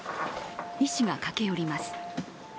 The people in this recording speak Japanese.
医師が駆け寄ります。